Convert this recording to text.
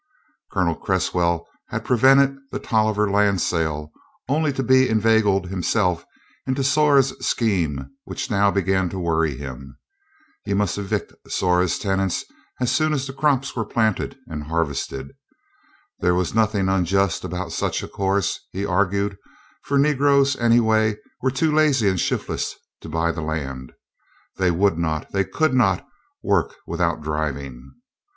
Colonel Cresswell had prevented the Tolliver land sale, only to be inveigled himself into Zora's scheme which now began to worry him. He must evict Zora's tenants as soon as the crops were planted and harvested. There was nothing unjust about such a course, he argued, for Negroes anyway were too lazy and shiftless to buy the land. They would not, they could not, work without driving.